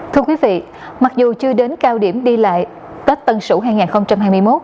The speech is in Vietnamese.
thưa quý vị mặc dù chưa đến cao điểm đi lại tết tân sửu hai nghìn hai mươi một